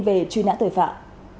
về truy nãn tội phạm